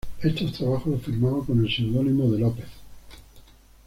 Estos trabajos los firmaba con el seudónimo de López.